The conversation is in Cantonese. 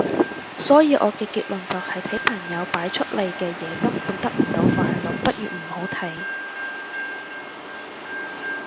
所以我嘅結論就係睇朋友擺出嚟嘅嘢根本得唔到快樂，不如唔好睇